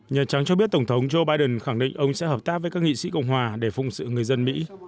nhà trắng cho biết tổng thống joe biden khẳng định ông sẽ hợp tác với các nghị sĩ cộng hòa để phụng sự người dân mỹ